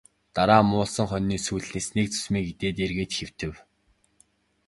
Дараа нь муулсан хонины сүүлнээс нэг зүсмийг идээд эргээд хэвтэв.